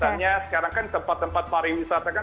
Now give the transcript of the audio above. karena sekarang kan tempat tempat pariwisata kan